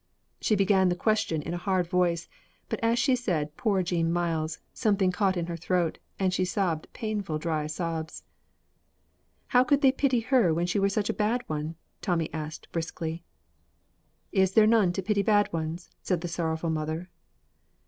She began the question in a hard voice, but as she said "Poor Jean Myles" something caught in her throat, and she sobbed, painful dry sobs. "How could they pity her when she were such a bad one?" Tommy answered briskly. "Is there none to pity bad ones?" said his sorrowful mother.